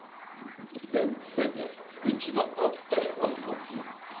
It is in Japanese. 前世で１度会ってるのよ。